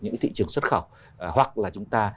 những thị trường xuất khẩu hoặc là chúng ta